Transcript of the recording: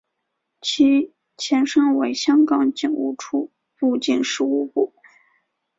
其前身为香港警务处入境事务部。